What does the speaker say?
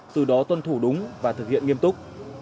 từ đó tuân thủ đúng và thực hiện nghiêm túc